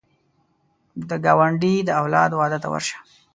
د ګاونډي د اولاد واده ته ورشه